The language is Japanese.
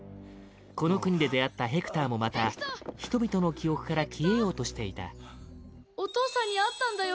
この国で出会ったヘクターもまた人々の記憶から消えようとしていたミゲル：お父さんに会ったんだよ。